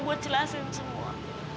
buat jelasin semua